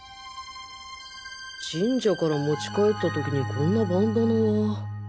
神社から持ち帰った時にこんなバンダナは